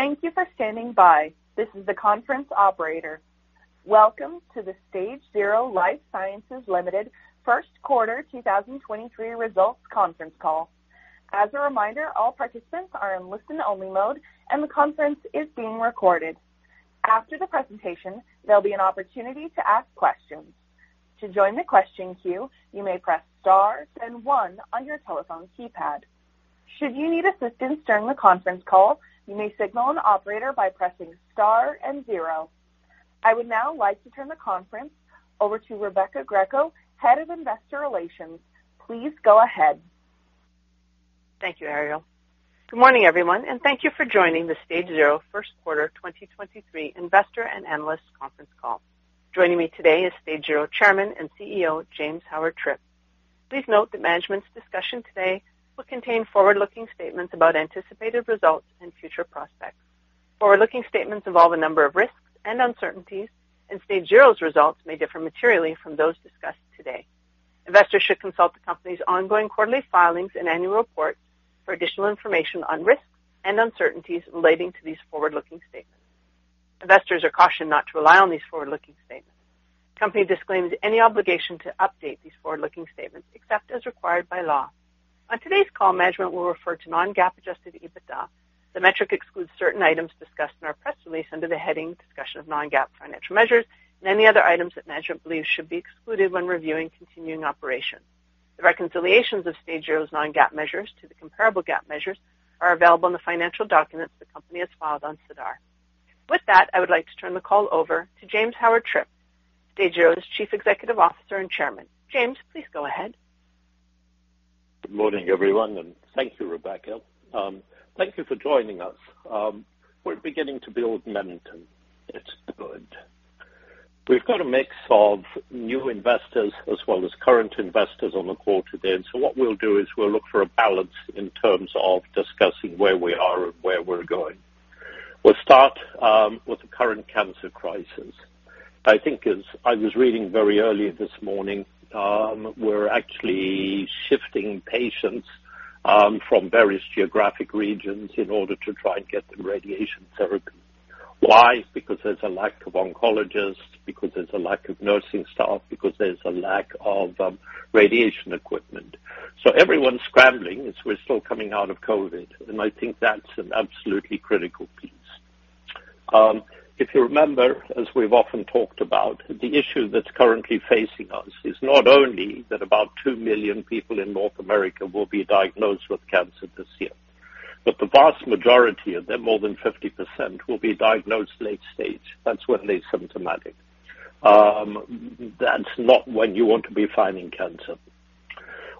Thank you for standing by. This is the conference operator. Welcome to the StageZero Life Sciences Limited First Quarter 2023 Results Conference Call. As a reminder, all participants are in listen only mode and the conference is being recorded. After the presentation, there'll be an opportunity to ask questions. To join the question queue, you may press star then one on your telephone keypad. Should you need assistance during the conference call, you may signal an operator by pressing star and zero. I would now like to turn the conference over to Rebecca Greco, Head of Investor Relations. Please go ahead. Thank you, Ariel. Good morning, everyone. Thank you for joining the StageZero First Quarter 2023 Investor and Analyst Conference Call. Joining me today is StageZero Chairman and CEO, James Howard-Tripp. Please note that management's discussion today will contain forward-looking statements about anticipated results and future prospects. Forward-looking statements involve a number of risks and uncertainties. StageZero's results may differ materially from those discussed today. Investors should consult the company's ongoing quarterly filings and annual reports for additional information on risks and uncertainties relating to these forward-looking statements. Investors are cautioned not to rely on these forward-looking statements. Company disclaims any obligation to update these forward-looking statements except as required by law. On today's call, management will refer to non-GAAP adjusted EBITDA. The metric excludes certain items discussed in our press release under the heading Discussion of non-GAAP Financial Measures and any other items that management believes should be excluded when reviewing continuing operations. The reconciliations of StageZero's non-GAAP measures to the comparable GAAP measures are available in the financial documents the company has filed on SEDAR. With that, I would like to turn the call over to James Howard-Tripp, StageZero's Chief Executive Officer and Chairman. James, please go ahead. Good morning, everyone. Thank you, Rebecca. Thank you for joining us. We're beginning to build momentum, and it's good. We've got a mix of new investors as well as current investors on the call today. What we'll do is we'll look for a balance in terms of discussing where we are and where we're going. We'll start with the current cancer crisis. I think as I was reading very early this morning, we're actually shifting patients from various geographic regions in order to try and get them radiation therapy. Why? Because there's a lack of oncologists, because there's a lack of nursing staff, because there's a lack of radiation equipment. Everyone's scrambling as we're still coming out of COVID, and I think that's an absolutely critical piece. If you remember, as we've often talked about, the issue that's currently facing us is not only that about 2 million people in North America will be diagnosed with cancer this year, but the vast majority of them, more than 50%, will be diagnosed late stage. That's when they're symptomatic. That's not when you want to be finding cancer.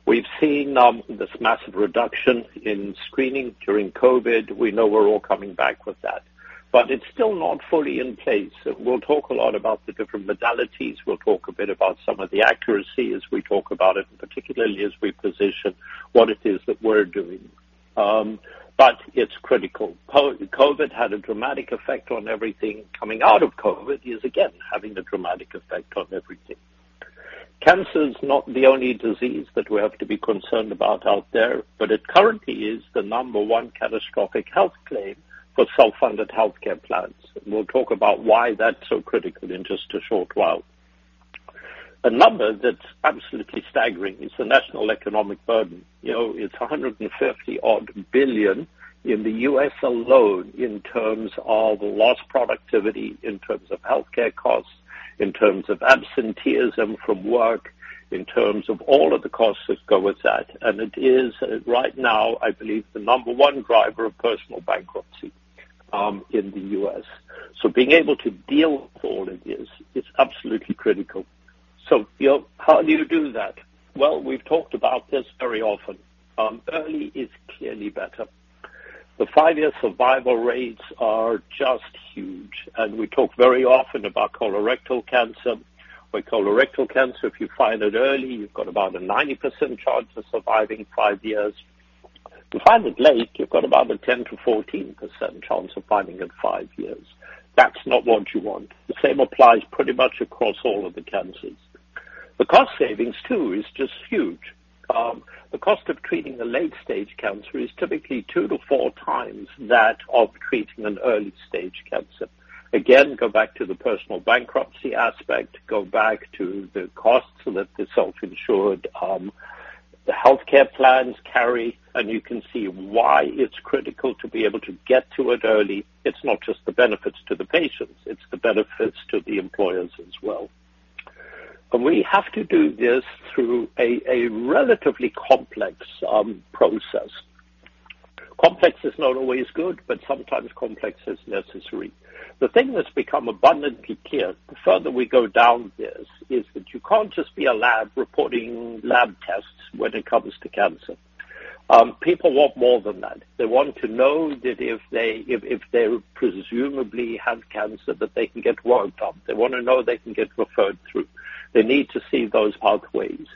We've seen this massive reduction in screening during COVID. We know we're all coming back with that, but it's still not fully in place. We'll talk a lot about the different modalities. We'll talk a bit about some of the accuracy as we talk about it, and particularly as we position what it is that we're doing. It's critical. COVID had a dramatic effect on everything. Coming out of COVID is again having a dramatic effect on everything. Cancer is not the only disease that we have to be concerned about out there, but it currently is the number 1 catastrophic health claim for self-funded healthcare plans. We'll talk about why that's so critical in just a short while. A number that's absolutely staggering is the national economic burden. You know, it's $150 odd billion in the U.S. alone in terms of lost productivity, in terms of healthcare costs, in terms of absenteeism from work, in terms of all of the costs that go with that. It is right now, I believe, the number 1 driver of personal bankruptcy in the U.S. Being able to deal with all it is absolutely critical. How do you do that? Well, we've talked about this very often. Early is clearly better. The 5-year survival rates are just huge. We talk very often about colorectal cancer. With colorectal cancer, if you've got about a 90% chance of surviving five years. To find it late, you've got about a 10%-14% chance of finding it five years. That's not what you want. The same applies pretty much across all of the cancers. The cost savings, too, is just huge. The cost of treating a late-stage cancer is typically 2-4 times that of treating an early-stage cancer. Again, go back to the personal bankruptcy aspect. Go back to the costs that the self-insured, the healthcare plans carry, and you can see why it's critical to be able to get to it early. It's not just the benefits to the patients, it's the benefits to the employers as well. We have to do this through a relatively complex process. Complex is not always good, but sometimes complex is necessary. The thing that's become abundantly clear the further we go down this, is that you can't just be a lab reporting lab tests when it comes to cancer. People want more than that. They want to know that if they presumably have cancer, that they can get worked on. They want to know they can get referred through. They need to see those pathways.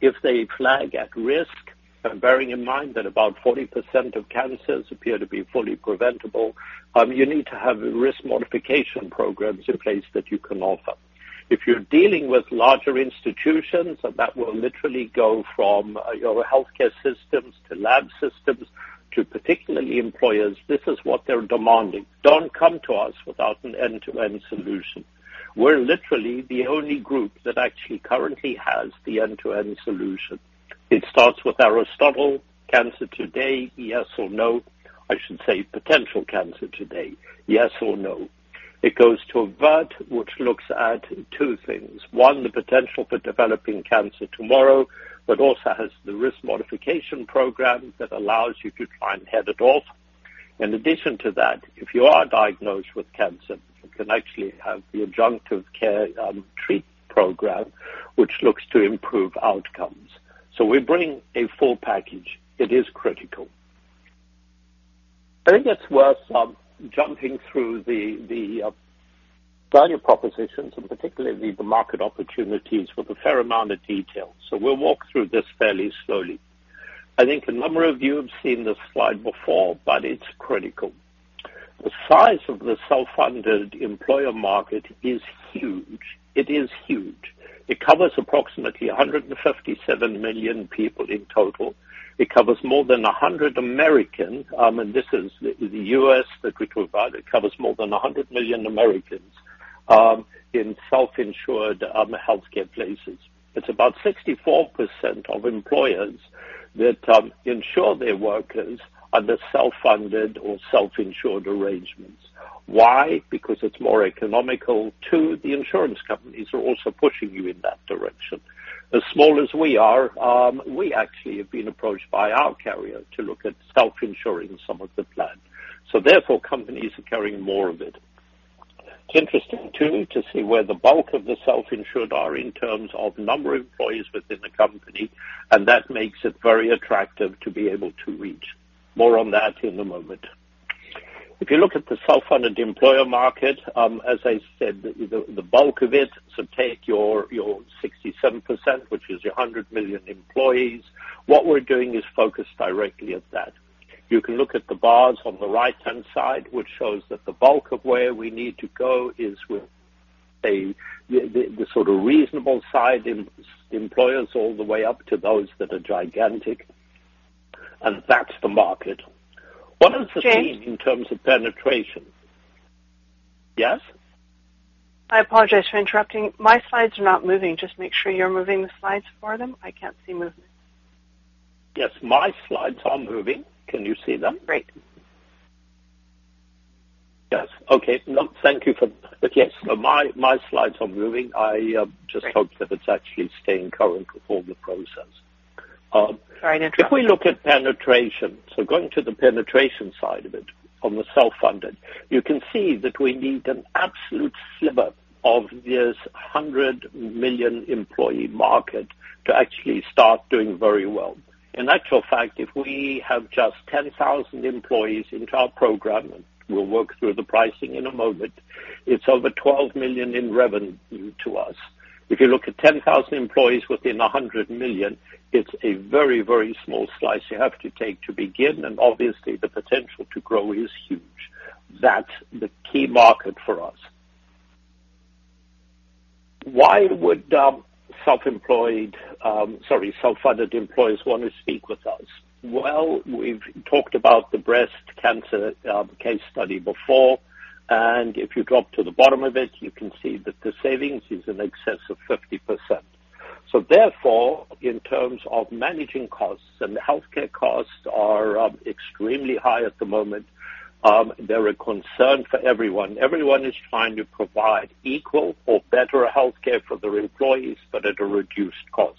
If they flag at risk, and bearing in mind that about 40% of cancers appear to be fully preventable, you need to have risk modification programs in place that you can offer. If you're dealing with larger institutions, and that will literally go from your healthcare systems to lab systems to particularly employers, this is what they're demanding. Don't come to us without an end-to-end solution. We're literally the only group that actually currently has the end-to-end solution. It starts with Aristotle today, yes or no. I should say potential cancer today, yes or no. It goes to AVRT which looks at two things. One, the potential for developing cancer tomorrow, but also has the risk modification program that allows you to try and head it off. In addition to that, if you are diagnosed with cancer, you can actually have the adjunctive TREAT Program, which looks to improve outcomes. We're bringing a full package. It is critical. I think it's worth jumping through the value propositions and particularly the market opportunities with a fair amount of detail. We'll walk through this fairly slowly. I think a number of you have seen this slide before, but it's critical. The size of the self-funded employer market is huge. It is huge. It covers approximately 157 million people in total. It covers more than 100 Americans, and this is the U.S. that we talk about. It covers more than 100 million Americans in self-insured healthcare places. It's about 64% of employers that insure their workers under self-funded or self-insured arrangements. Why? It's more economical. Two, the insurance companies are also pushing you in that direction. As small as we are, we actually have been approached by our carrier to look at self-insuring some of the plan. Companies are carrying more of it. It's interesting too, to see where the bulk of the self-insured are in terms of number of employees within the company, and that makes it very attractive to be able to reach. More on that in a moment. If you look at the self-funded employer market, as I said, the bulk of it, take your 67%, which is your 100 million employees. What we're doing is focus directly at that. You can look at the bars on the right-hand side, which shows that the bulk of where we need to go is with the sort of reasonable side employers all the way up to those that are gigantic, and that's the market. What is the scene. James? In terms of penetration? Yes. I apologize for interrupting. My slides are not moving. Just make sure you're moving the slides for them. I can't see movement. Yes, my slides are moving. Can you see them? Great. Yes. Okay. No, thank you for... Yes, my slides are moving. Great. Just hope that it's actually staying current with all the process. Sorry to interrupt. If we look at penetration, so going to the penetration side of it on the self-funded, you can see that we need an absolute sliver of this 100 million employee market to actually start doing very well. In actual fact, if we have just 10,000 employees into our program, and we'll work through the pricing in a moment, it's over $12 million in revenue to us. If you look at 10,000 employees within 100 million, it's a very, very small slice you have to take to begin. Obviously the potential to grow is huge. That's the key market for us. Why would self-employed, sorry, self-funded employees want to speak with us? Well, we've talked about the breast cancer case study before. If you drop to the bottom of it, you can see that the savings is in excess of 50%. In terms of managing costs, and healthcare costs are extremely high at the moment, they're a concern for everyone. Everyone is trying to provide equal or better healthcare for their employees, but at a reduced cost.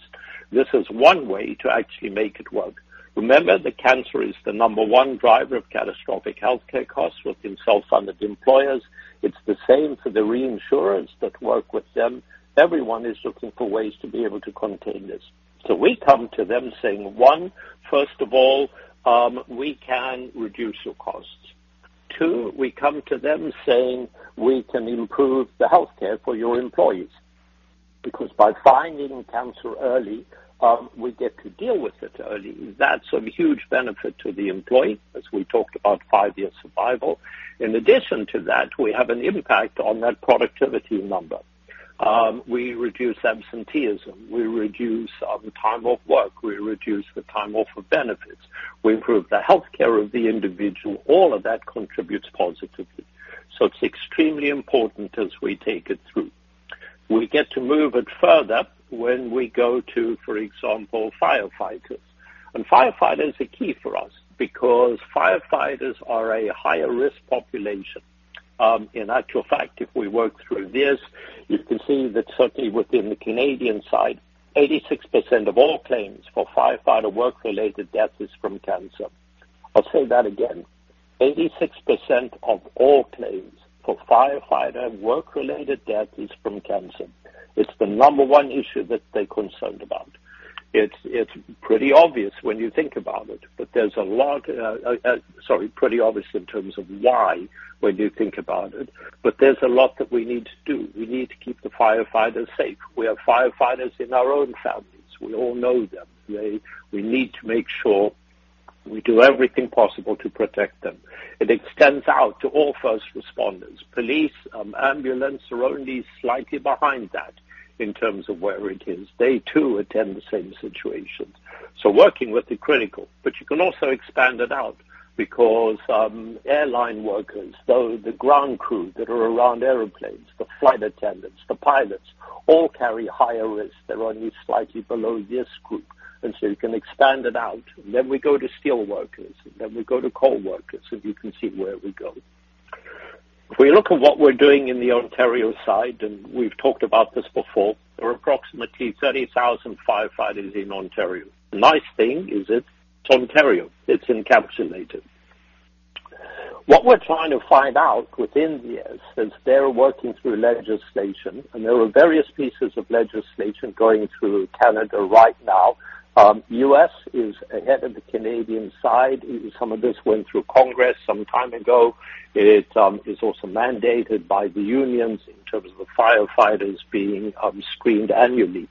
This is one way to actually make it work. Remember that cancer is the number one driver of catastrophic healthcare costs within self-funded employers. It's the same for the reinsurance that work with them. Everyone is looking for ways to be able to contain this. We come to them saying, 1, first of all, we can reduce your costs. Two, we come to them saying, we can improve the healthcare for your employees. By finding cancer early, we get to deal with it early. That's a huge benefit to the employee, as we talked about five-year survival. In addition to that, we have an impact on that productivity number. We reduce absenteeism. We reduce time off work. We reduce the time off of benefits. We improve the healthcare of the individual. All of that contributes positively. It's extremely important as we take it through. We get to move it further when we go to, for example, firefighters. Firefighters are key for us because firefighters are a higher risk population. In actual fact, if we work through this, you can see that certainly within the Canadian side, 86% of all claims for firefighter work-related death is from cancer. I'll say that again. 86% of all claims for firefighter work-related death is from cancer. It's the number one issue that they're concerned about. It's pretty obvious when you think about it, but there's a lot, sorry, pretty obvious in terms of why when you think about it, but there's a lot that we need to do. We need to keep the firefighters safe. We have firefighters in our own families. We all know them. They. We need to make sure we do everything possible to protect them. It extends out to all first responders. Police, ambulance are only slightly behind that in terms of where it is. They too attend the same situations. Working with the critical, but you can also expand it out because airline workers, though the ground crew that are around airplanes, the flight attendants, the pilots, all carry higher risk. They're only slightly below this group. You can expand it out. We go to steelworkers, and then we go to coal workers, and you can see where we go. If we look at what we're doing in the Ontario side, and we've talked about this before, there are approximately 30,000 firefighters in Ontario. The nice thing is it's Ontario. It's encapsulated. What we're trying to find out within this, since they're working through legislation, and there are various pieces of legislation going through Canada right now, U.S. is ahead of the Canadian side. Some of this went through Congress some time ago. It is also mandated by the unions in terms of the firefighters being screened annually.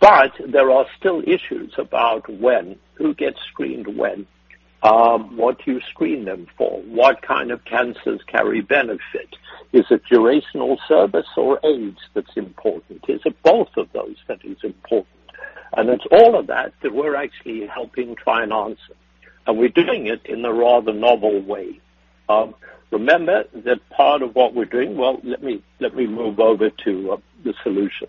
There are still issues about when, who gets screened when, what you screen them for, what kind of cancers carry benefit. Is it durational service or age that's important? Is it both of those that is important? It's all of that we're actually helping try and answer. We're doing it in a rather novel way. Remember that part of what we're doing. Well, let me move over to the solution.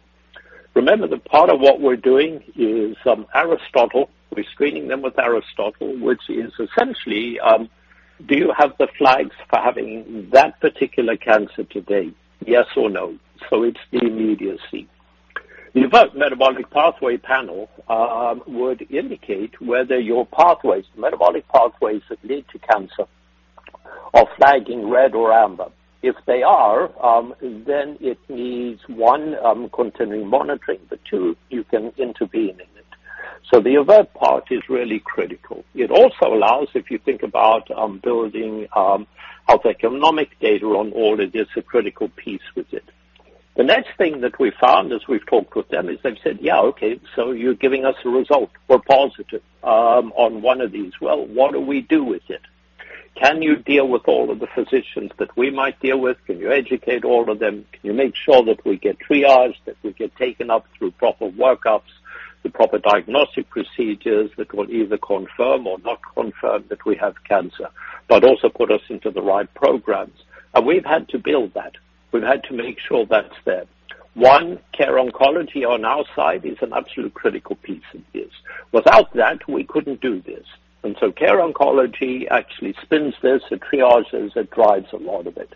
Remember that part of what we're doing is Aristotle. We're screening them with Aristotle, which is essentially, do you have the flags for having that particular cancer today? Yes or no? It's the immediacy. The AVRT Metabolic Pathway Panel would indicate whether your pathways, metabolic pathways that lead to cancer are flagging red or amber. If they are, then it needs, one, continuing monitoring, but two, you can intervene in it. The AVRT part is really critical. It also allows, if you think about, building health economic data on all of this, a critical piece with it. The next thing that we found as we've talked with them is they've said, "Yeah, okay, so you're giving us a result. We're ositive on one of these. Well, what do we do with it? Can you deal with all of the physicians that we might deal with? Can you educate all of them? Can you make sure that we get triaged, that we get taken up through proper workups, the proper diagnostic procedures that will either confirm or not confirm that we have cancer, but also put us into the right programs?" We've had to build that. We've had to make sure that's there. One, Care Oncology on our side is an absolute critical piece of this. Without that, we couldn't do this. Care Oncology actually spins this. It triages. It drives a lot of it.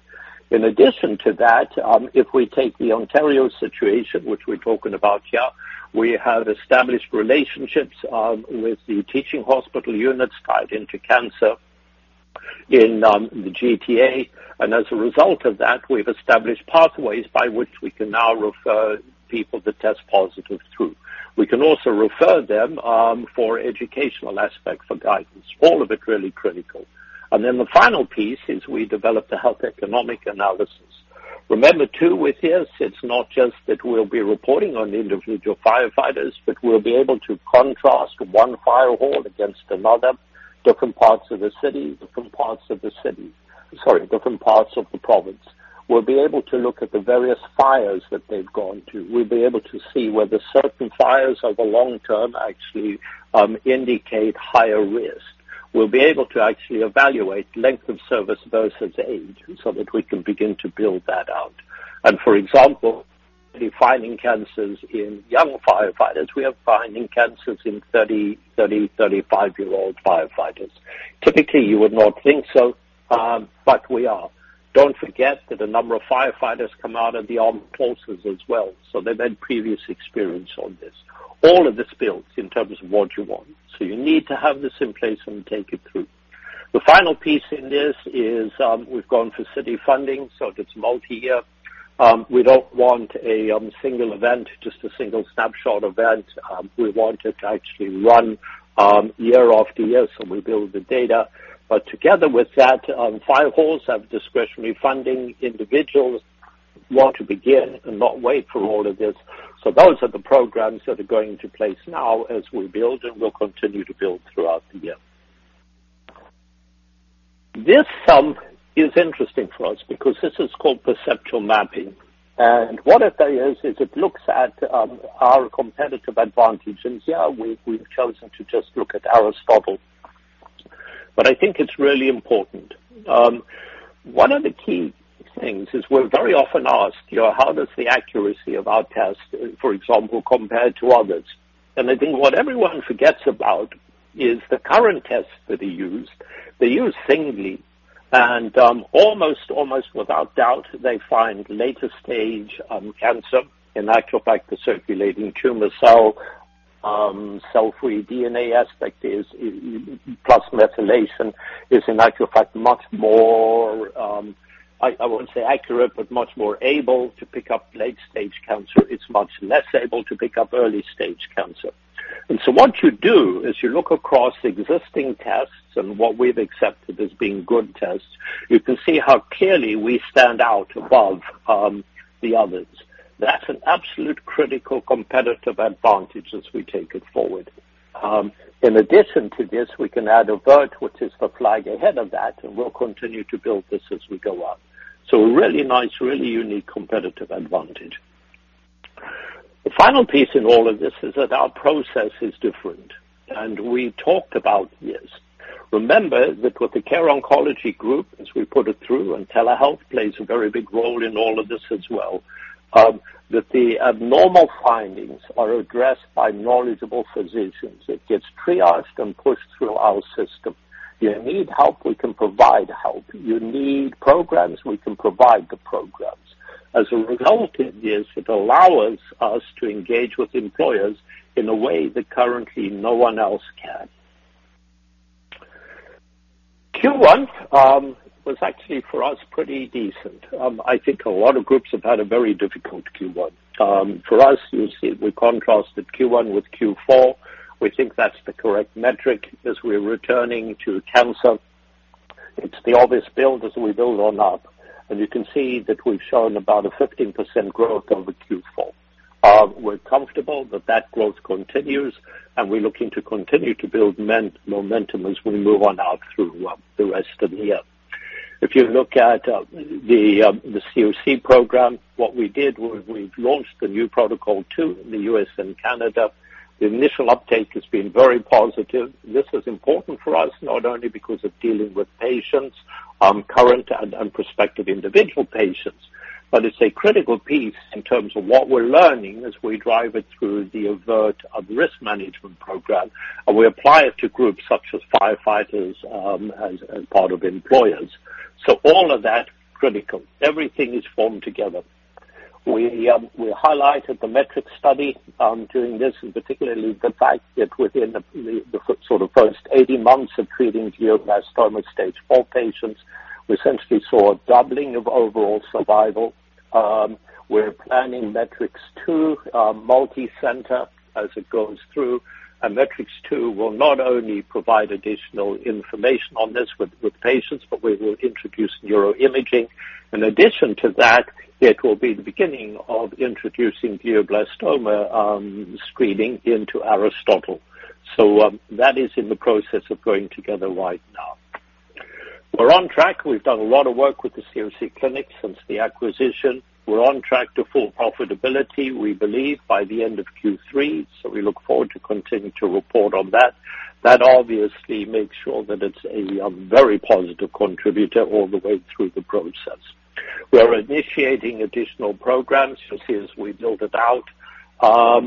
In addition to that, if we take the Ontario situation, which we're talking about here, we have established relationships with the teaching hospital units tied into cancer in the GTA. As a result of that, we've established pathways by which we can now refer people that test positive through. We can also refer them for educational aspect, for guidance, all of it really critical. The final piece is we developed a health economic analysis. Remember too with this, it's not just that we'll be reporting on individual firefighters, but we'll be able to contrast one fire hall against another, different parts of the city. Sorry, different parts of the province. We'll be able to look at the various fires that they've gone to. We'll be able to see whether certain fires over long term actually indicate higher risk. We'll be able to actually evaluate length of service versus age so that we can begin to build that out. For example, defining cancers in young firefighters, we are finding cancers in 30, 35-year-old firefighters. Typically, you would not think so, but we are. Don't forget that a number of firefighters come out of the armed forces as well, so they've had previous experience on this. All of this builds in terms of what you want. You need to have this in place and take it through. The final piece in this is, we've gone for city funding, so it's multi-year. We don't want a single event, just a single snapshot event. We want it to actually run year after year, we build the data. Together with that, fire halls have discretionary funding. Individuals want to begin and not wait for all of this. Those are the programs that are going into place now as we build and will continue to build throughout the year. This is interesting for us because this is called perceptual mapping. What it is it looks at our competitive advantage. Yeah, we've chosen to just look at Aristotle. I think it's really important. One of the key things is we're very often asked, you know, how does the accuracy of our test, for example, compare to others? I think what everyone forgets about is the current tests that they use, they use singly. Almost without doubt, they find later stage cancer. In actual fact, the circulating tumor cell-free DNA aspect is, plus methylation, is in actual fact much more, I won't say accurate, but much more able to pick up late-stage cancer. It's much less able to pick up early-stage cancer. What you do is you look across existing tests and what we've accepted as being good tests. You can see how clearly we stand out above the others. That's an absolute critical competitive advantage as we take it forward. In addition to this, we can add AVRT, which is for flying ahead of that, and we'll continue to build this as we go on. Really nice, really unique competitive advantage. The final piece in all of this is that our process is different, and we talked about this. Remember that with the Care Oncology Group, as we put it through, and telehealth plays a very big role in all of this as well, that the abnormal findings are addressed by knowledgeable physicians. It gets triaged and pushed through our system. You need help, we can provide help. You need programs, we can provide the programs. As a result, it is, it allows us to engage with employers in a way that currently no one else can. Q1 was actually for us pretty decent. I think a lot of groups have had a very difficult Q1. For us, you see we contrasted Q1 with Q4. We think that's the correct metric as we're returning to cancer. It's the obvious build as we build on up, and you can see that we've shown about a 15% growth over Q4. We're comfortable that that growth continues, and we're looking to continue to build momentum as we move on out through the rest of the year. If you look at the COC Protocol, what we did we've launched the new protocol two in the U.S. and Canada. The initial uptake has been very positive. This is important for us, not only because of dealing with patients, current and prospective individual patients, but it's a critical piece in terms of what we're learning as we drive it through the AVRT risk management program, and we apply it to groups such as firefighters, as part of employers. All of that, critical. Everything is formed together. We highlighted the METRICS study during this, particularly the fact that within the sort of first 18 months of treating glioblastoma stage 4 patients, we essentially saw a doubling of overall survival. We're planning METRICS 2, multicenter as it goes through. METRICS 2 will not only provide additional information on this with patients, but we will introduce neuroimaging. In addition to that, it will be the beginning of introducing glioblastoma screening into Aristotle. That is in the process of going together right now. We're on track. We've done a lot of work with the COC clinic since the acquisition. We're on track to full profitability, we believe by the end of Q3, so we look forward to continuing to eeport on that. That obviously makes sure that it's a very positive contributor all the way through the process. We're initiating additional programs as we build it out.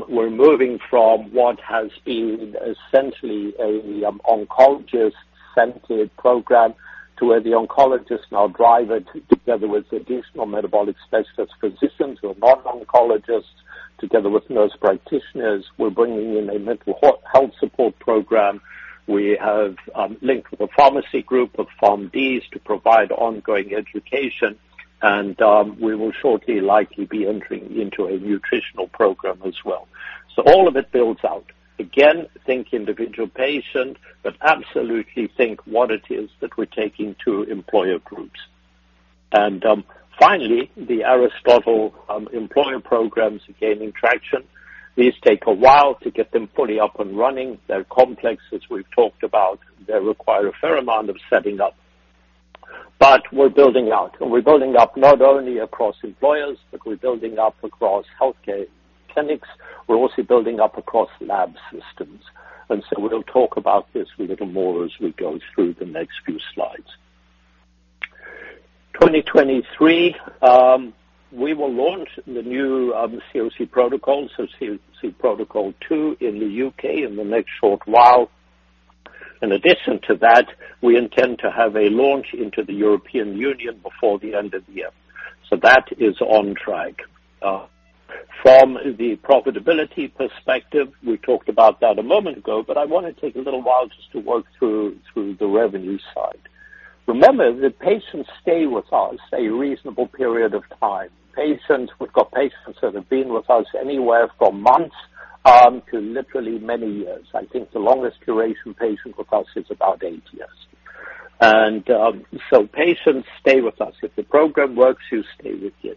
We're moving from what has been essentially a oncologist-centered program to where the oncologist now drive it together with additional metabolic specialist physicians who are not oncologists, together with nurse practitioners. We're bringing in a mental health support program. We have linked with a pharmacy group of PharmDs to provide ongoing education and we will shortly likely be entering into a nutritional program as well. All of it builds out. Again, think individual patient, but absolutely think what it is that we're taking to employer groups. Finally, the Aristotle employer programs are gaining traction. These take a while to get them fully up and running. They're complex, as we've talked about. They require a fair amount of setting up. We're building out, and we're building up not only across employers, but we're building up across healthcare clinics. We're also building up across lab systems. We'll talk about this a little more as we go through the next few slides. 2023, we will launch the new COC Protocol, so COC Protocol 2 in the U.K. in the next short while. In addition to that, we intend to have a launch into the European Union before the end of the year. That is on track. From the profitability perspective, we talked about that a moment ago, but I want to take a little while just to work through the revenue side. Remember that patients stay with us a reasonable period of time. Patients, we've got patients that have been with us anywhere from months, to literally many years. I think the longest duration patient with us is about eight years. Patients stay with us. If the program works, you stay with you.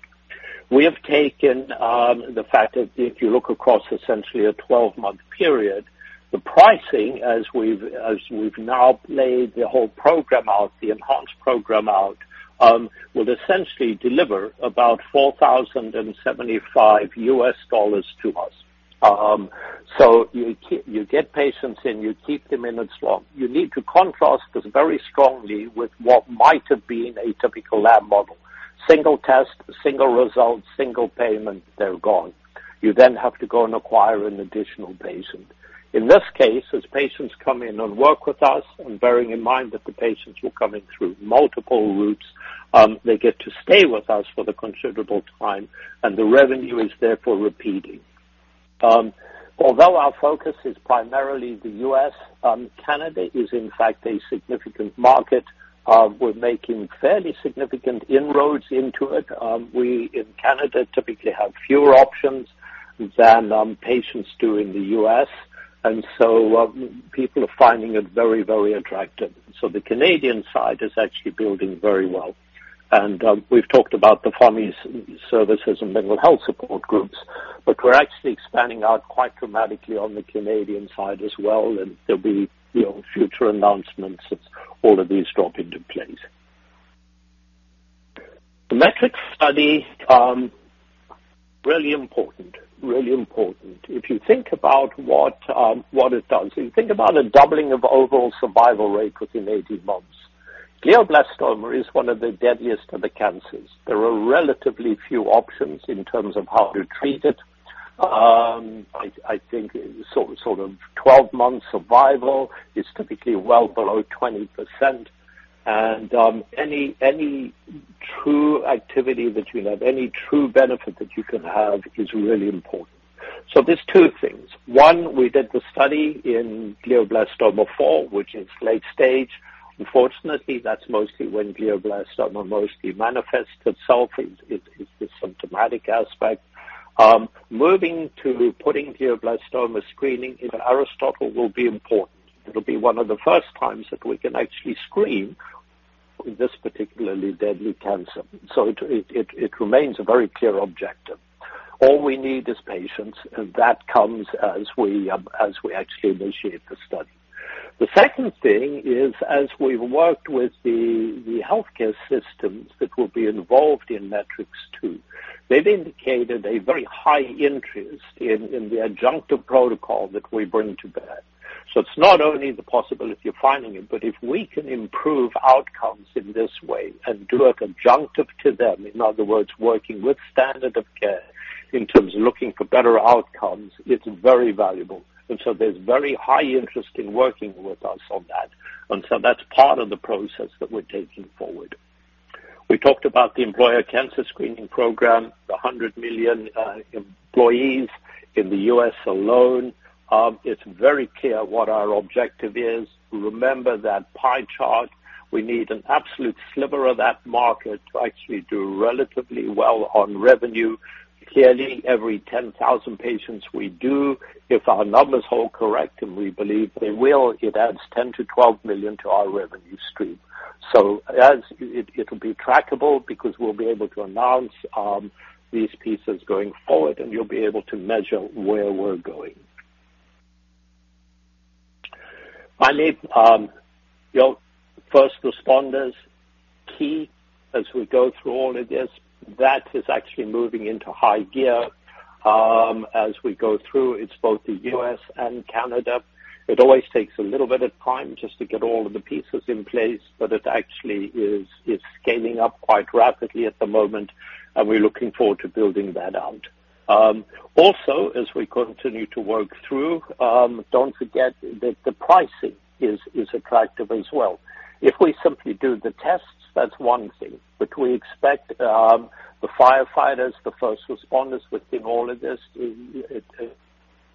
We have taken the fact that if you look across essentially a 12-month period, the pricing as we've, as we've now laid the whole program out, the enhanced program out, will essentially deliver about $4,075 US dollars to us. You get patients in, you keep them in as long. You need to contrast this very strongly with what might have been a typical lab model. Single test, single result, single payment, they're gone. You have to go and acquire an additional patient. In this case, as patients come in and work with us, and bearing in mind that the patients will come in through multiple routes, they get to stay with us for the considerable time, and the revenue is therefore repeating. Although our focus is primarily the U.S., Canada is in fact a significant market. We're making fairly significant inroads into it. We in Canada typically have fewer options than patients do in the U.S. People are finding it very, very attractive. The Canadian side is actually building very well. We've talked about the pharmacies services and mental health support groups, but we're actually expanding out quite dramatically on the Canadian side as well, and there'll be, you know, future announcements as all of these drop into place. The METRICS study, really important. If you think about what it does, if you think about a doubling of overall survival rate within 18 months. Glioblastoma is one of the deadliest of the cancers. There are relatively few options in terms of how to treat it. I think sort of 12-month survival is typically well below 20%. Any true activity that you have, any true benefit that you can have is really important. There's two things. One, we did the study in glioblastoma 4, which is late stage. Unfortunately, that's mostly when glioblastoma mostly manifests itself. It's the symptomatic aspect. Moving to putting glioblastoma screening in Aristotle will be important. It'll be one of the first times that we can actually screen this particularly deadly cancer. It remains a very clear objective. All we need is patients, and that comes as we, as we actually initiate the study. The second thing is, as we've worked with the healthcare systems that will be involved in METRICS 2, they've indicated a very high interest in the adjunctive protocol that we bring to bear. It's not only the possibility of finding it, but if we can improve outcomes in this way and do it adjunctive to them, in other words, working with standard of care in terms of looking for better outcomes, it's very valuable. There's very high interest in working with us on that. That's part of the process that we're taking forward. We talked about the employer cancer screening program, the 100 million employees in the U.S. alone. It's very clear what our objective is. Remember that pie chart. We need an absolute sliver of that market to actually do relatively well on revenue. Clearly, every 10,000 patients we do, if our numbers hold correct, and we believe they will, it adds 10 million-12 million to our revenue stream. It'll be trackable because we'll be able to announce these pieces going forward, and you'll be able to measure where we're going. Finally, your first responders, key as we go through all of this, that is actually moving into high gear as we go through. It's both the U.S. and Canada. It always takes a little bit of time just to get all of the pieces in place, but it actually is scaling up quite rapidly at the moment, and we're looking forward to building that out. Also, as we continue to work through, don't forget that the pricing is attractive as well. If we simply do the tests, that's one thing. We expect the firefighters, the first responders within all of this, a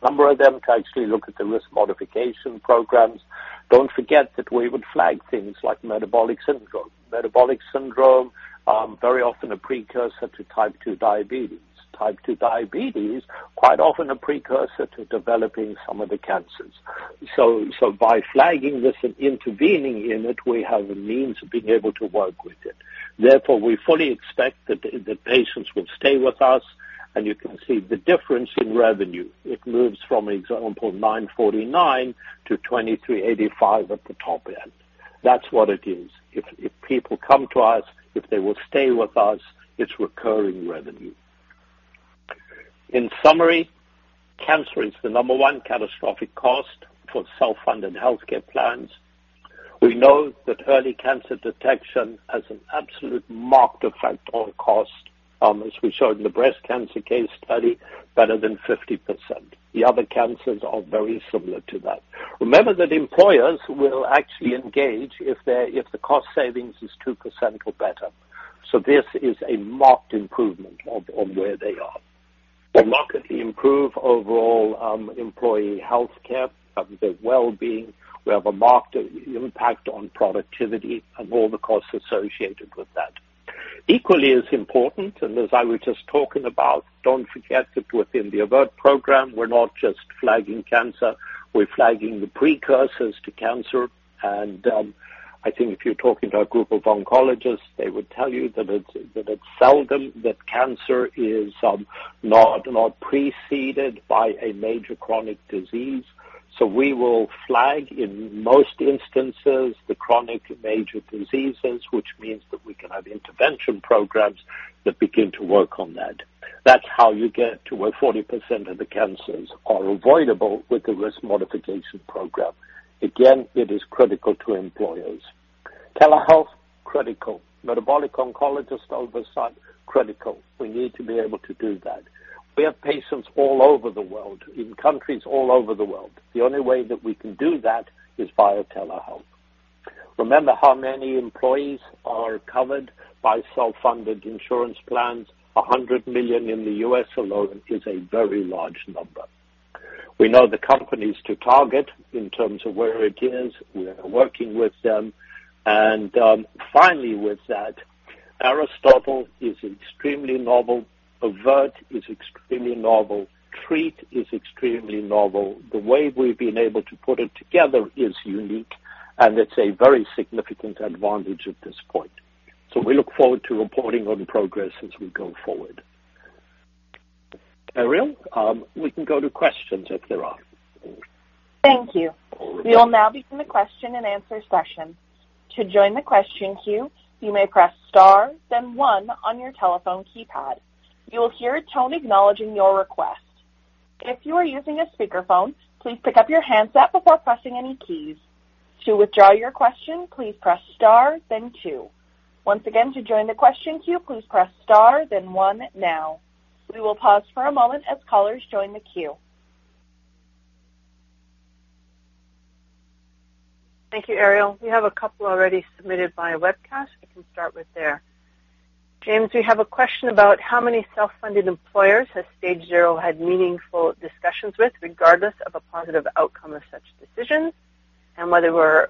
number of them to actually look at the risk modification programs. Don't forget that we would flag things like metabolic syndrome. Metabolic syndrome, very often a precursor to type 2 diabetes. Type 2 diabetes, quite often a precursor to developing some of the cancers. By flagging this and intervening in it, we have a means of being able to work with it. Therefore, we fully expect that the patients will stay with us, and you can see the difference in revenue. It moves from example, 949 to 2,385 at the top end. That's what it is. If people come to us, if they will stay with us, it's recurring revenue. In summary, cancer is the number 1 catastrophic cost for self-funded healthcare plans. We know that early cancer detection has an absolute marked effect on cost, as we showed in the breast cancer case study, better than 50%. The other cancers are very similar to that. Remember that employers will actually engage if the cost savings is 2% or better. This is a marked improvement on where they are. They'll markedly improve overall employee healthcare, their wellbeing. We have a marked impact on productivity and all the costs associated with that. Equally as important, and as I was just talking about, don't forget that within the AVRT program, we're not just flagging cancer, we're flagging the precursors to cancer. I think if you're talking to a group of oncologists, they would tell you that it's seldom that cancer is not preceded by a major chronic disease. We will flag, in most instances, the chronic major diseases, which means that we can have intervention programs that begin to work on that. That's how you get to where 40% of the cancers are avoidable with the risk modification program. Again, it is critical to employers. Telehealth, critical. Metabolic oncologist oversight, critical. We need to be able to do that. We have patients all over the world, in countries all over the world. The only way that we can do that is via telehealth. Remember how many employees are covered by self-funded insurance plans. $100 million in the U.S. alone is a very large number. We know the companies to target in terms of where it is. We are working with them. Finally Aristotle is extremely novel. AVRT is extremely novel. Treat is extremely novel. The way we've been able to put it together is unique, and it's a very significant advantage at this point. We look forward to reporting on progress as we go forward. Ariel, we can go to questions if there are any. Thank you. We will now begin the question-and-answer session. To join the question queue, you may press star then one on your telephone keypad. You will hear a tone acknowledging your request. If you are using a speakerphone, please pick up your handset before pressing any keys. To withdraw your question, please press star then two. Once again, to join the question queue, please press star then one now. We will pause for a moment as callers join the queue. Thank you, Ariel. We have a couple already submitted via webcast. We can start with there. James, we have a question about how many self-funded employers has StageZero had meaningful discussions with, regardless of a positive outcome of such decisions, and whether we're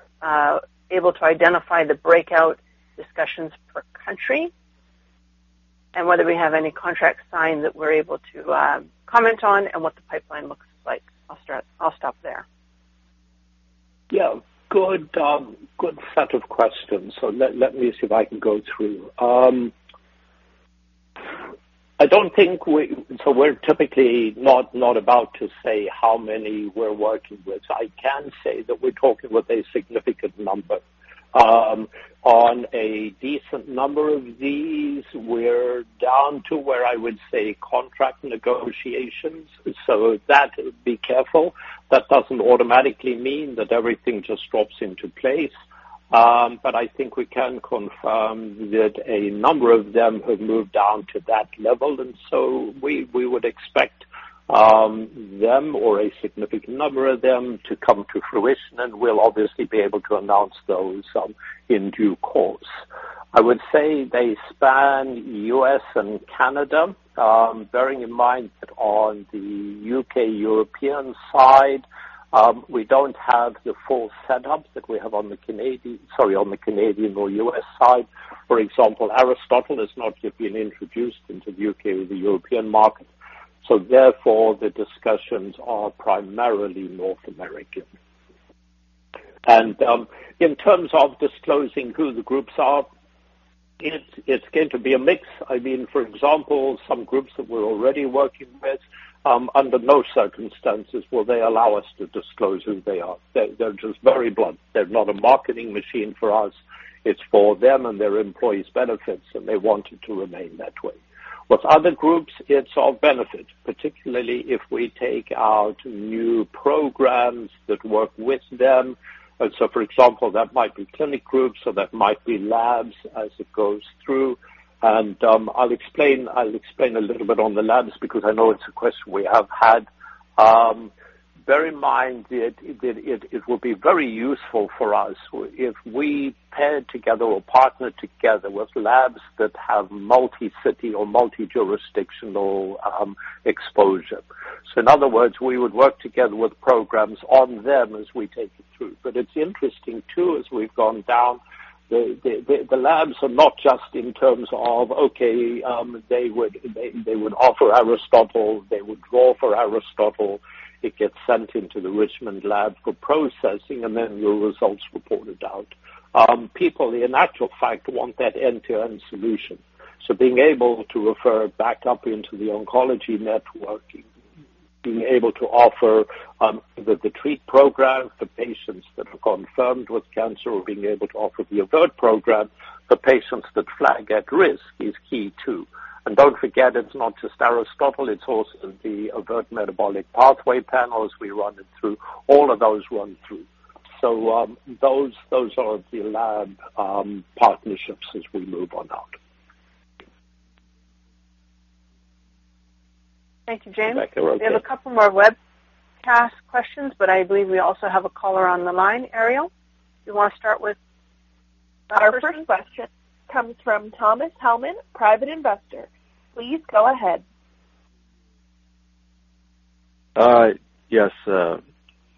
able to identify the breakout discussions per country, and whether we have any contracts signed that we're able to comment on and what the pipeline looks like. I'll stop there. Yeah. Good, good set of questions. Let me see if I can go through. We're typically not about to say how many we're working with. I can say that we're talking with a significant number. On a decent number of these, we're down to where I would say contract negotiations. That, be careful, that doesn't automatically mean that everything just drops into place. But I think we can confirm that a number of them have moved down to that level. We would expect them or a significant number of them to come to fruition, and we'll obviously be able to announce those in due course. I would say they span U.S. and Canada, bearing in mind that on the U.K. European side, we don't have the full setup that we have on the Canadian or U.S. side. For example, Aristotle has not yet been introduced into the U.K. or the European market, so therefore the discussions are primarily North American. In terms of disclosing who the groups are, it's going to be a mix. I mean, for example, some groups that we're already working with, under no circumstances will they allow us to disclose who they are. They're just very blunt. They're not a marketing machine for us. It's for them and their employees' benefits, and they want it to remain that way. With other groups, it's of benefit, particularly if we take out new programs that work with them. For example, that might be clinic groups or that might be labs as it goes through. I'll explain a little bit on the labs because I know it's a question we have had. Bear in mind that it will be very useful for us if we paired together or partner together with labs that have multi-city or multi-jurisdictional exposure. In other words, we would work together with programs on them as we take it through. It's interesting too, as we've gone down, the labs are not just in terms of, okay, they would offer Aristotle, they would draw for Aristotle, it gets sent into the Richmond lab for processing and then your results reported out. People in actual fact want that end-to-end solution. being able to refer back up into the oncology network, being able to offer the TREAT Program for patients that are confirmed with cancer or being able to offer the AVRT program for patients that flag at risk is key, too. Don't forget, it's not just Aristotle, it's also the AVRT Metabolic Pathway Panels. We run it through. All of those run through. Those are the lab partnerships as we move on out. Thank you, James. Thank you. We have a couple more webcast questions, but I believe we also have a caller on the line. Ariel, you wanna start? Our first question comes from Thomas Hellman, private investor. Please go ahead. Yes,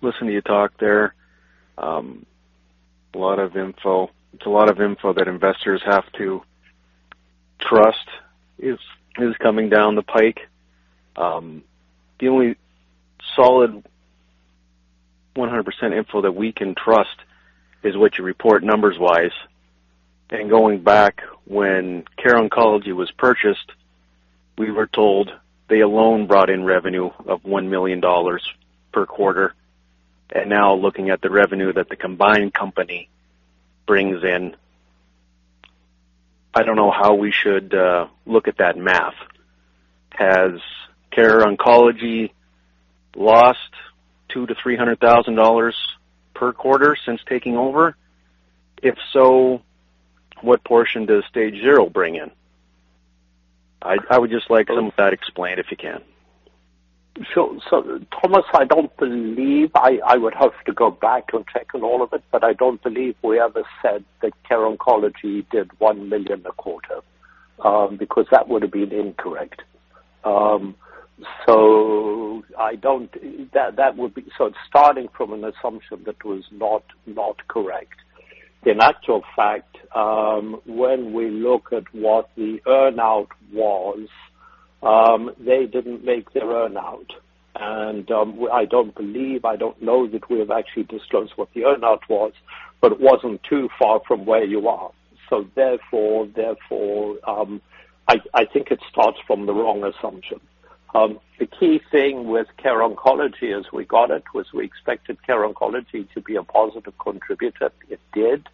listen to you talk there. A lot of info. It's a lot of info that investors have to trust is coming down the pike. The only solid 100% info that we can trust is what you report numbers-wise. Going back when Care Oncology was purchased, we were told they alone brought in revenue of 1 million dollars per quarter. Now looking at the revenue that the combined company brings in, I don't know how we should look at that math. Has Care Oncology lost 200,000-300,000 dollars per quarter since taking over? If so, what portion does Stage0 bring in? I would just like some of that explained, if you can. Thomas, I don't believe I would have to go back and check on all of it, but I don't believe we ever said that Care Oncology did 1 million a quarter, because that would have been incorrect. That would be starting from an assumption that was not correct. In actual fact, when we look at what the earn-out was, they didn't make their earn-out. I don't believe, I don't know that we have actually disclosed what the earn-out was, but it wasn't too far from where you are. Therefore, I think it starts from the wrong assumption. The key thing with Care Oncology as we got it, was we expected Care Oncology to be a positive contributor. It did.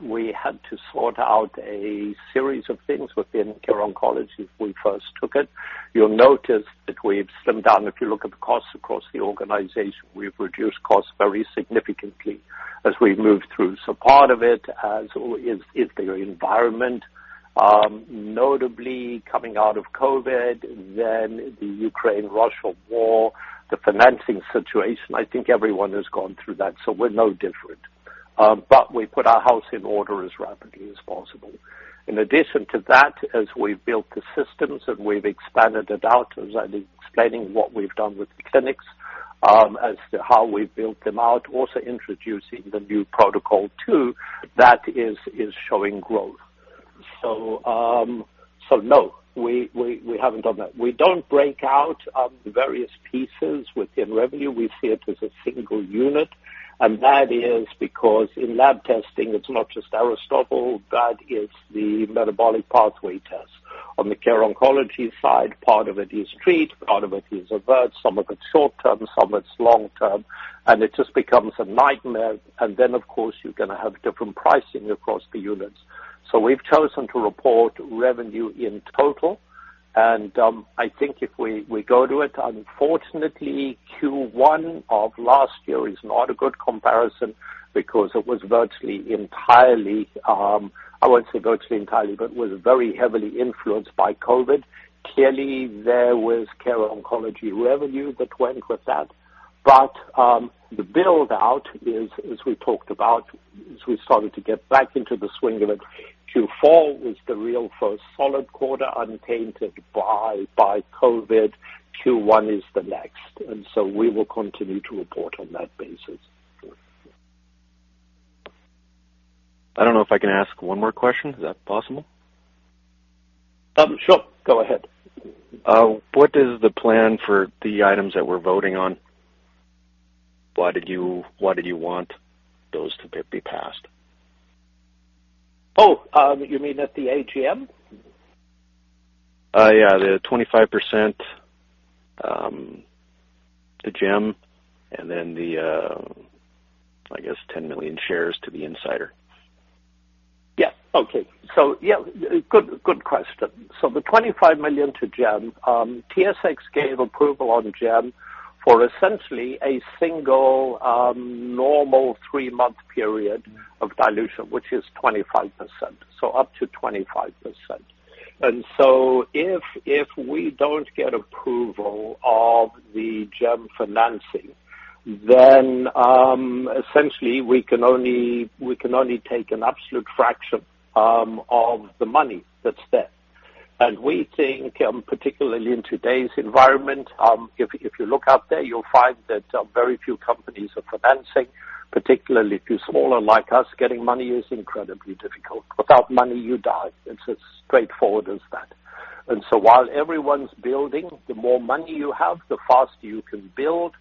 We had to sort out a series of things within Care Oncology when we first took it. You'll notice that we've slimmed down. If you look at the costs across the organization, we've reduced costs very significantly as we've moved through. Part of it is their environment, notably coming out of COVID, then the Ukraine-Russia war, the financing situation. I think everyone has gone through that, so we're no different. We put our house in order as rapidly as possible. In addition to that, as we've built the systems and we've expanded it out, as I'm explaining what we've done with the clinics, as to how we've built them out, also introducing the new protocol 2, that is showing growth. No, we haven't done that. We don't break out the various pieces within revenue. We see it as a single unit, that is because in lab testing, it's not just Aristotle, that is the Metabolic Pathway Panel test. On the Care Oncology side, part of it is Treat, part of it is AVRT, some of it's short-term, some it's long-term, and it just becomes a nightmare. Of course, you're gonna have different pricing across the units. We've chosen to report revenue in total. I think if we go to it, unfortunately, Q1 of last year is not a good comparison because it was virtually entirely, I won't say virtually entirely, but was very heavily influenced by COVID. Clearly, there was Care Oncology revenue that went with that. The build-out is, as we talked about, as we started to get back into the swing of it. Q4 was the real first solid quarter untainted by COVID. Q1 is the next. We will continue to report on that basis. I don't know if I can ask one more question. Is that possible? Sure. Go ahead. What is the plan for the items that we're voting on? Why did you want those to be passed? Oh, you mean at the AGM? The 25%, the GEM, and then the, I guess 10 million shares to the insider. Yeah. Okay. Yeah, good question. The 25 million to GEM, TSX gave approval on GEM for essentially a single, normal 3-month period of dilution, which is 25%, so up to 25%. If we don't get approval of the GEM financing, then essentially we can only take an absolute fraction of the money that's there. We think, particularly in today's environment, if you look out there, you'll find that very few companies are financing, particularly if you're smaller like us, getting money is incredibly difficult. Without money, you die. It's as straightforward as that. While everyone's building, the more money you have, the faster you can build.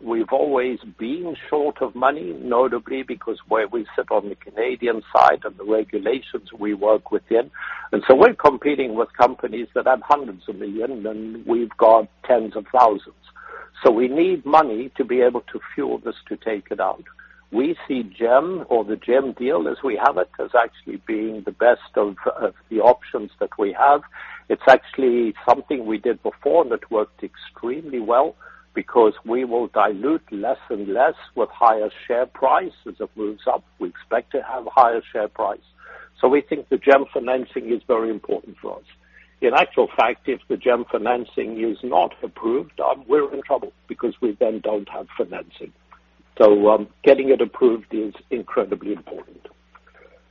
We've always been short of money, notably because where we sit on the Canadian side and the regulations we work within. We're competing with companies that have hundreds of million, and we've got tens of thousands. We need money to be able to fuel this to take it out. We see GEM or the GEM deal as we have it, as actually being the best of the options that we have. It's actually something we did before that worked extremely well because we will dilute less and less with higher share price. As it moves up, we expect to have higher share price. We think the GEM financing is very important for us. In actual fact, if the GEM financing is not approved, we're in trouble because we then don't have financing. Getting it approved is incredibly important.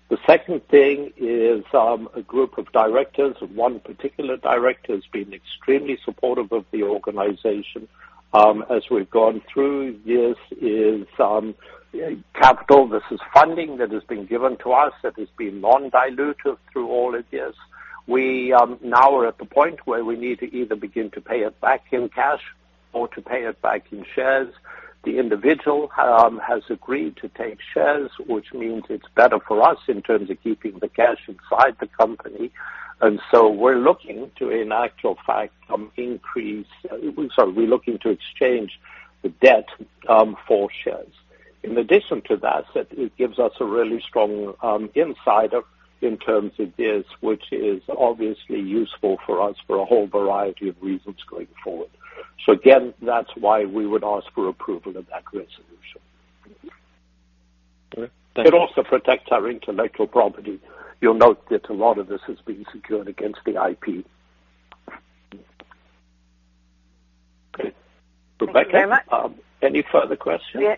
The second thing is a group of directors. One particular director has been extremely supportive of the organization, as we've gone through this is capital. This is funding that has been given to us that has been non-dilutive through all of this. We now are at the point where we need to either begin to pay it back in cash or to pay it back in shares. The individual has agreed to take shares, which means it's better for us in terms of keeping the cash inside the company. We're looking to, in actual fact, exchange the debt for shares. In addition to that, it gives us a really strong insider in terms of this, which is obviously useful for us for a whole variety of reasons going forward. Again, that's why we would ask for approval of that resolution. Okay. Thank you. It also protects our intellectual property. You'll note that a lot of this is being secured against the IP. Okay. Rebecca. Thank you very much. Any further questions? Yeah.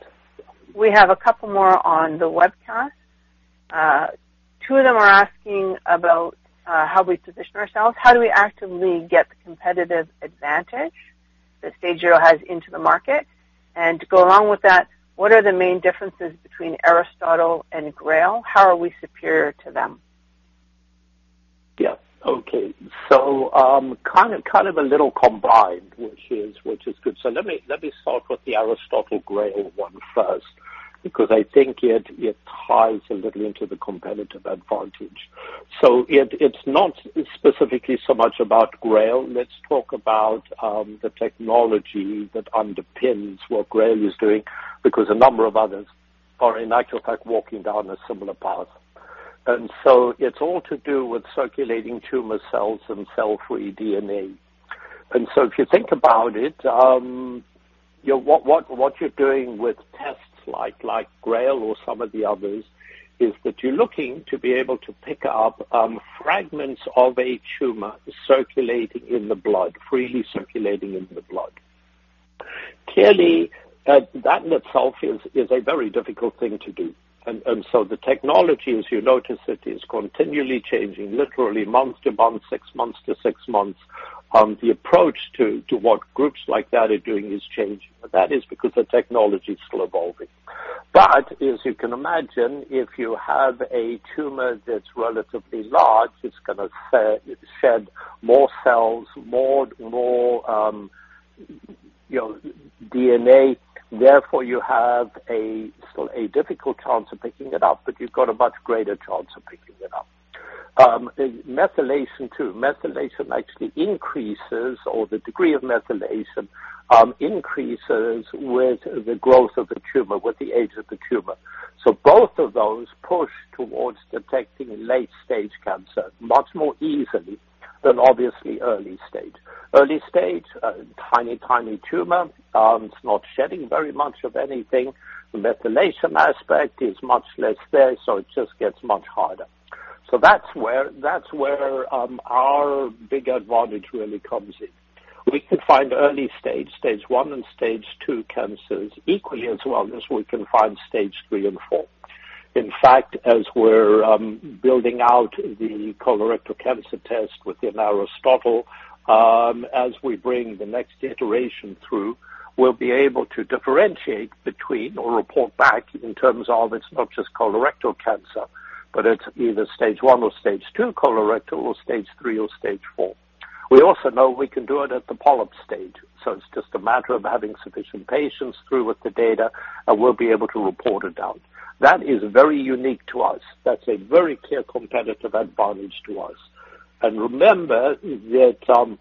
We have a couple more on the webcast. Two of them are asking about, how we position ourselves. How do we actively get the competitive advantage that StageZero has into the market? To go along with that, what are the main differences between Aristotle and GRAIL? How are we superior to them? Yes. Okay. kind of a little combined, which is good. Let me start with the Aristotle GRAIL one first, because I think it ties a little into the competitive advantage. It's not specifically so much about GRAIL. Let's talk about the technology that underpins what GRAIL is doing, because a number of others are in actual fact, walking down a similar path. It's all to do with circulating tumor cells and cell-free DNA. If you think about it, what you're doing with tests like GRAIL or some of the others, is that you're looking to be able to pick up fragments of a tumor circulating in the blood, freely circulating in the blood. Clearly, that in itself is a very difficult thing to do. The technology, as you notice, it is continually changing, literally month to month, 6 months to 6 months. The approach to what groups like that are doing is changing. That is because the technology is still evolving. As you can imagine, if you have a tumor that's relatively large, it's gonna shed more cells, more, you know, DNA. Therefore, you have a, still a difficult chance of picking it up, but you've got a much greater chance of picking it up. The methylation too. Methylation actually increases, or the degree of methylation increases with the growth of the tumor, with the age of the tumor. Both of those push towards detecting late stage cancer much more easily than obviously early stage. Early stage, tiny tumor, it's not shedding very much of anything. The methylation aspect is much less there, so it just gets much harder. That's where our big advantage really comes in. We can find early stage one and stage two cancers equally as well as we can find stage three and four. In fact, as we're building out the colorectal cancer test within Aristotle, as we bring the next iteration through, we'll be able to differentiate between or report back in terms of it's not just colorectal cancer, but it's either stage one or stage two colorectal or stage three or stage four. We also know we can do it at the polyp stage, so it's just a matter of having sufficient patients through with the data, and we'll be able to report it out. That is very unique to us. That's a very clear competitive advantage to us. Remember that,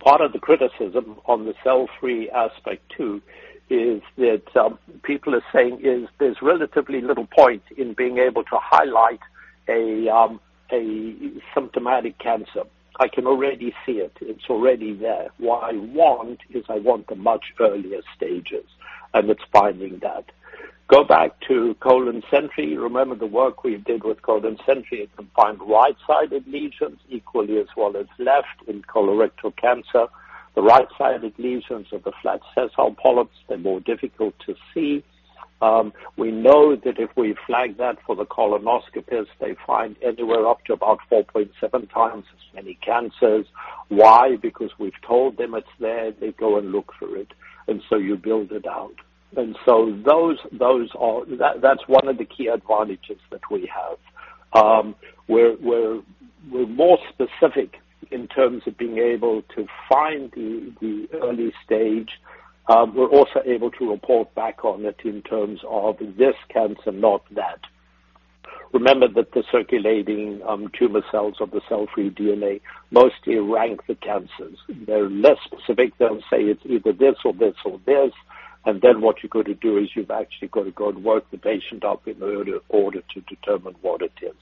part of the criticism on the cell-free aspect, too, is that people are saying is there's relatively little point in being able to highlight a symptomatic cancer. I can already see it. It's already there. What I want is I want the much earlier stages, and it's finding that. Go back to ColonSentry. Remember the work we did with ColonSentry. It can find right-sided lesions equally as well as left in colorectal cancer. The right-sided lesions of the flat sessile polyps, they're more difficult to see. We know that if we flag that for the colonoscopists, they find anywhere up to about 4.7 times as many cancers. Why? Because we've told them it's there, they go and look for it, and so you build it out. Those are that's one of the key advantages that we have. We're more specific in terms of being able to find the early stage. We're also able to report back on it in terms of this cancer, not that. Remember that the circulating tumor cells of the cell-free DNA mostly rank the cancers. They're less specific. They'll say it's either this or this or this. What you got to do is you've actually got to go and work the patient up in order to determine what it is.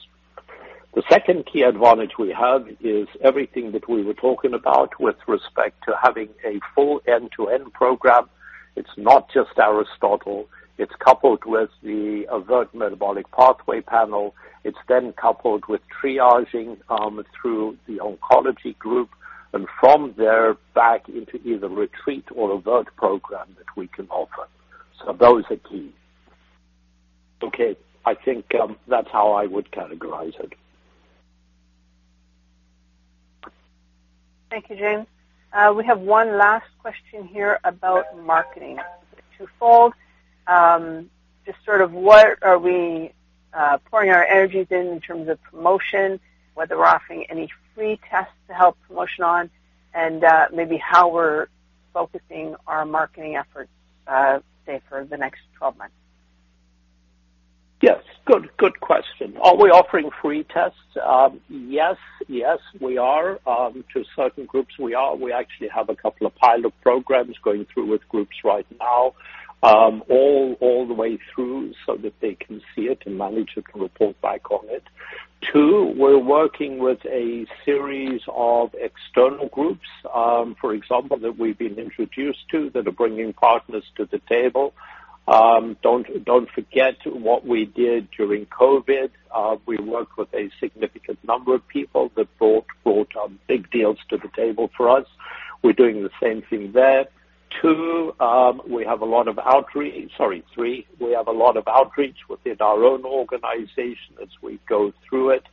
The second key advantage we have is everything that we were talking about with respect to having a full end-to-end program. It's not just Aristotle. It's coupled with the AVRT Metabolic Pathway Panel. It's then coupled with triaging, through the oncology group and from there back into either retreat or AVRT program that we can offer. Those are key. Okay. I think, that's how I would categorize it. Thank you, James. We have one last question here about marketing. It's twofold. Just sort of what are we pouring our energies in terms of promotion, whether we're offering any free tests to help promotion on, and maybe how we're focusing our marketing efforts, say, for the next 12 months? Yes. Good, good question. Are we offering free tests? Yes. Yes, we are. To certain groups, we are. We actually have a couple of pilot programs going through with groups right now, all the way through so that they can see it and manage it and report back on it. Two, we're working with a series of external groups, for example, that we've been introduced to that are bringing partners to the table. Don't forget what we did during COVID. We worked with a significant number of people that brought big deals to the table for us. We're doing the same thing there. Two, we have a lot of outreach. Sorry, three, we have a lot of outreach within our own organization as we go through it.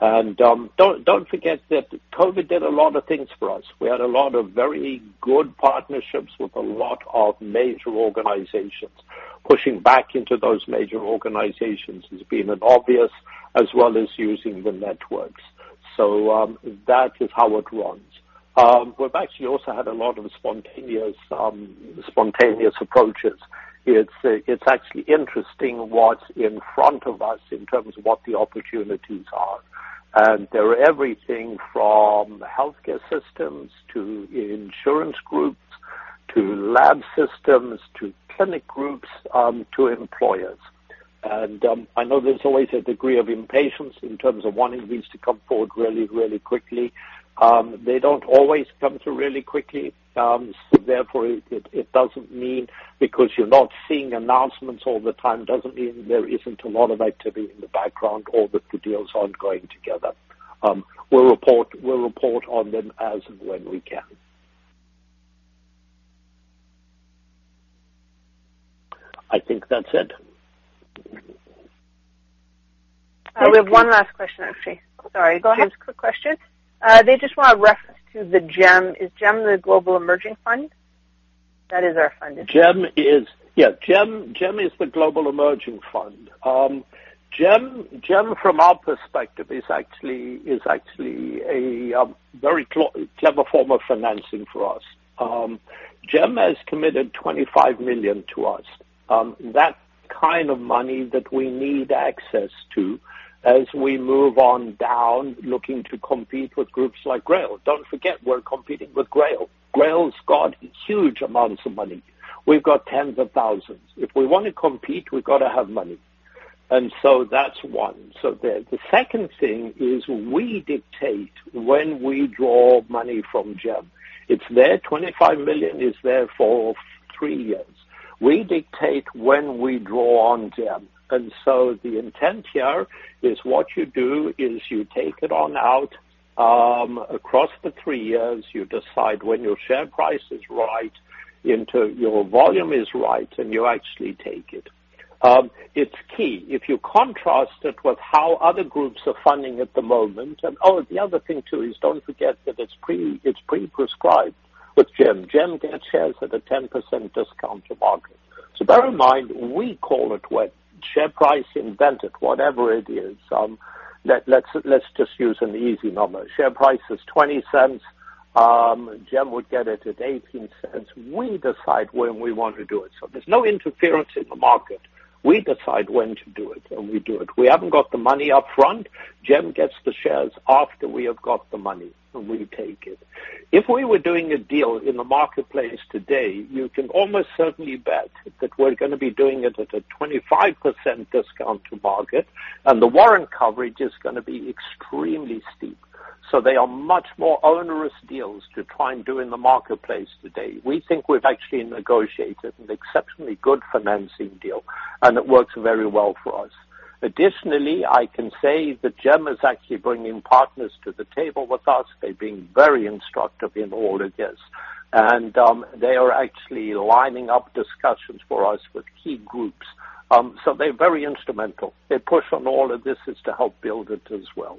Don't forget that COVID did a lot of things for us. We had a lot of very good partnerships with a lot of major organizations. Pushing back into those major organizations has been an obvious as well as using the networks. That is how it runs. We've actually also had a lot of spontaneous approaches. It's actually interesting what's in front of us in terms of what the opportunities are. They're everything from healthcare systems to insurance groups to lab systems, to clinic groups, to employers. I know there's always a degree of impatience in terms of wanting these to come forward really, really quickly. They don't always come through really quickly. Therefore, it doesn't mean because you're not seeing announcements all the time, doesn't mean there isn't a lot of activity in the background or the deals aren't going together. We'll report on them as and when we can. I think that's it. We have one last question actually. Sorry. Go ahead. Quick question. They just want a reference to the GEM. Is GEM the Global Emerging Markets? That is our fund. GEM is. Yeah, GEM is the Global Emerging Markets. GEM from our perspective is actually a very clever form of financing for us. GEM has committed 25 million to us. That kind of money that we need access to as we move on down looking to compete with groups like GRAIL. Don't forget, we're competing with GRAIL. GRAIL's got huge amounts of money. We've got tens of thousands. If we wanna compete, we've gotta have money. That's one. The second thing is, we dictate when we draw money from GEM. It's there. 25 million is there for three years. We dictate when we draw on GEM. The intent here is what you do is you take it on out across the three years. You decide when your share price is right into your volume is right, and you actually take it. It's key. If you contrast it with how other groups are funding at the moment, oh, the other thing too is don't forget that it's pre-prescribed with GEM. GEM gets shares at a 10% discount to market. Bear in mind, we call it what? Share price invented whatever it is. Let's just use an easy number. Share price is $0.20. GEM would get it at $0.18. We decide when we want to do it. There's no interference in the market. We decide when to do it, we do it. We haven't got the money up front. GEM gets the shares after we have got the money, we take it. If we were doing a deal in the marketplace today, you can almost certainly bet that we're gonna be doing it at a 25% discount to market, and the warrant coverage is gonna be extremely steep. They are much more onerous deals to try and do in the marketplace today. We think we've actually negotiated an exceptionally good financing deal, and it works very well for us. Additionally, I can say that GEM is actually bringing partners to the table with us. They're being very instructive in all of this. They are actually lining up discussions for us with key groups. They're very instrumental. They push on all of this is to help build it as well.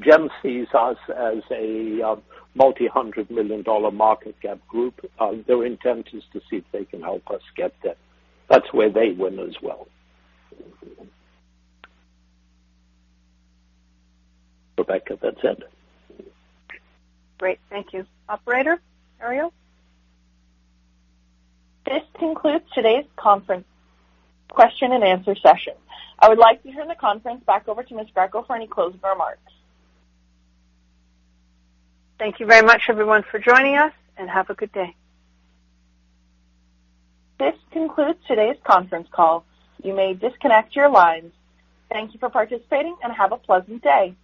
GEM sees us as a multi-hundred million dollar market cap group. Their intent is to see if they can help us get there. That's where they win as well. Rebecca, that's it. Great. Thank you. Operator? Ariel? This concludes today's conference question and answer session. I would like to turn the conference back over to Ms. Grace for any closing remarks. Thank you very much everyone for joining us. Have a good day. This concludes today's conference call. You may disconnect your lines. Thank you for participating, and have a pleasant day.